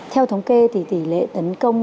theo thống kê thì tỷ lệ tấn công